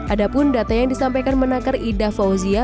ada pun data yang disampaikan menakar ida fauzia